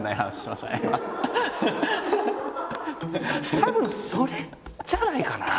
たぶんそれじゃないかな。